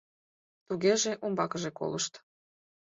— Тугеже умбакыже колышт.